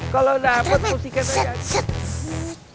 kalau dapet posisi keterangan